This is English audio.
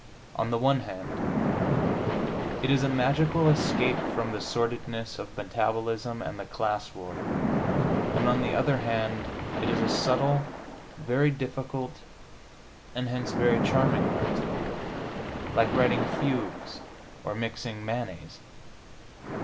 On the one hand, it is a magical escape from the sordidness of metabolism and the class war, and on the other hand it is a subtle, very difficult and hence very charming art, like writing fugues or mixing mayonnaise.